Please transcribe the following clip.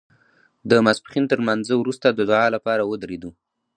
د ماسپښین تر لمانځه وروسته د دعا لپاره ودرېدو.